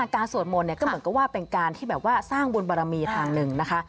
สวดมนต์เนี่ยก็เหมือนกับว่าเป็นการที่แบบว่าสร้างบุญบารมีทางหนึ่งนะคะ